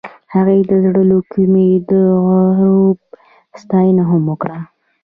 هغې د زړه له کومې د غروب ستاینه هم وکړه.